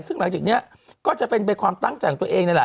ซึ่งหลังจากนี้ก็จะเป็นไปความตั้งใจของตัวเองนี่แหละ